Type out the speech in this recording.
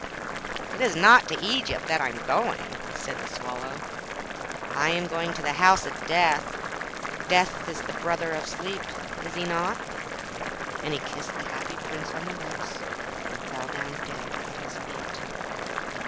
'It is not to Egypt that I am going,' said the Swallow. I am going to the House of Death. Death is the brother of Sleep, is he not?' And he kissed the Happy Prince on the lips, and fell down dead at his feet.